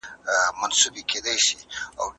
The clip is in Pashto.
موږ به په راتلونکي کي له عدل څخه کار اخلو.